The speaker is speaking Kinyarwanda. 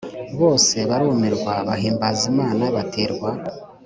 Bose barumirwa bahimbaza Imana baterwa